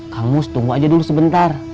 kang mus tunggu aja dulu sebentar